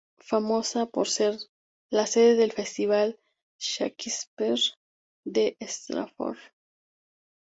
Famosa por ser la sede del Festival Shakespeare de Stratford.